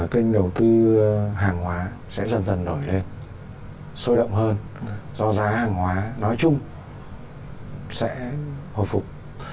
kênh đầu tư hàng hóa sẽ dần dần nổi lên sôi động hơn do giá hàng hóa nói chung sẽ hồi phục